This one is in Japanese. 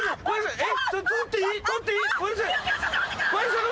えっ？